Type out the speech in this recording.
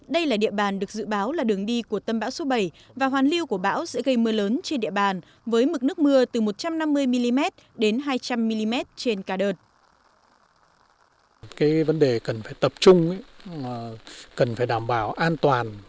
đây là địa bàn được dự báo là đường đi của tâm bão số bảy và hoàn lưu của bão sẽ gây mưa lớn trên địa bàn với mực nước mưa từ một trăm năm mươi mm đến hai trăm linh mm trên ca đợt